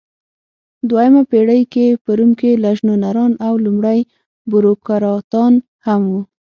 دویمه پېړۍ کې په روم کې لژنونران او لومړۍ بوروکراتان هم وو.